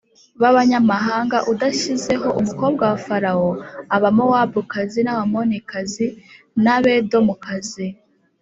b’abanyamahanga udashyizeho umukobwa wa Farawo: Abamowabukazi n’Abamonikazi n’Abedomukazi